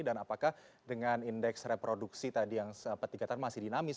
dan apakah dengan indeks reproduksi tadi yang sepetiknya masih dinamis